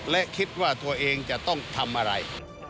และคิดว่าตัวเองจะต้องทำอะไร